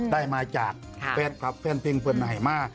ได้มาจากแฟนพรับแฟนเพลิงเพลินไห้มา